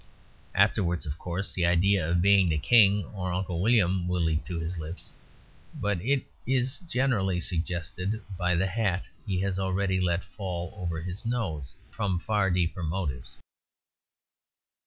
Afterwards, of course, the idea of being the King or Uncle William will leap to his lips. But it is generally suggested by the hat he has already let fall over his nose, from far deeper motives.